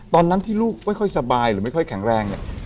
ตอนนั้นที่ลูกไม่ค่อยสบายหรือไม่ค่อยแข็งแรงเนี่ย